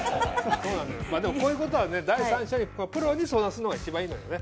そうなのよでもこういうことは第三者にプロに相談するのが一番いいのよね。